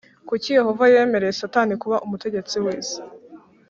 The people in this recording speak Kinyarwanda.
Kuki Yehova yemereye Satani kuba umutegetsi w’iyi si?